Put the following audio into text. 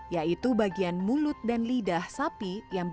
yaitu bagian mulut dan lidah sapi yang biasa dikonsumsi